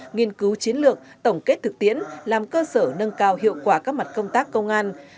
nghiên cứu chiến lược tổng kết thực tiễn làm cơ sở nâng cao hiệu quả các mặt công tác công an